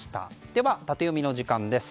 では、タテヨミの時間です。